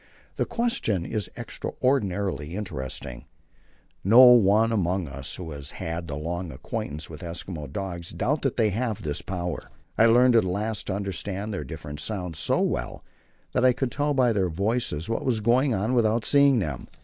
The question is extraordinarily interesting. No one among us, who has had long acquaintance with Eskimo dogs, doubts that they have this power. I learned at last to understand their different sounds so well that I could tell by their voices what was going on without seeing them.